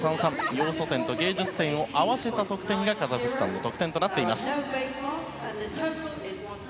要素点と芸術点を合わせた得点がカザフスタンの得点となっています。